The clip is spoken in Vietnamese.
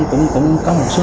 thì họ cũng có một số